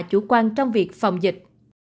chủ quan trong việc phòng dịch